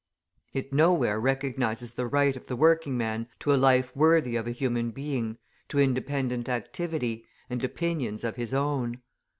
It nowhere recognises the right of the working man to a life worthy of a human being, to independent activity, and opinions of his own.